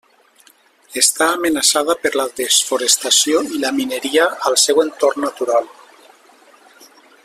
Està amenaçada per la desforestació i la mineria al seu entorn natural.